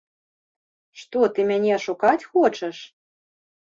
Што ты мяне ашукаць хочаш?